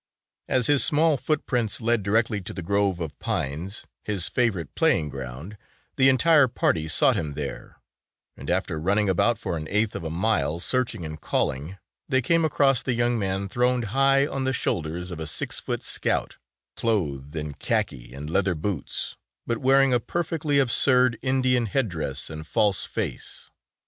As his small footprints led directly to the grove of pines, his favorite playing ground, the entire party sought him there, and after running about for an eighth of a mile searching and calling, they came across the young man throned high on the shoulders of a six foot Scout, clothed in khaki and leather boots but wearing a perfectly absurd Indian head dress and false face.